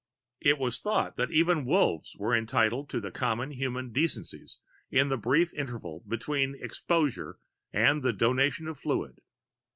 It was thought that even Wolves were entitled to the common human decencies in the brief interval between exposure and the Donation of Fluid.